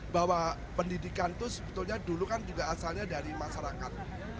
bahwa pendidikan itu sebetulnya dulu kan juga asalnya dari masyarakat